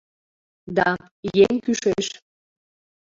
Да, еҥ кӱшеш!